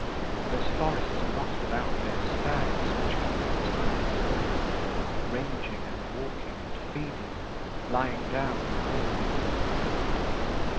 Those forests are not without their stags which keep retired within them, ranging and walking and feeding, lying down and ruminating.